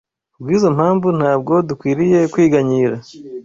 Ku bw’izo mpamvu, ntabwo dukwiriye kwiganyira